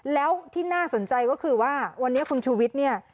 แล้วที่น่าสนใจก็คือว่าวันนี้คุณชูวิทย์เนี่ย